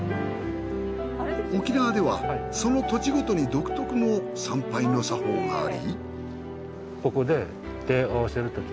沖縄ではその土地ごとに独特の参拝の作法があり。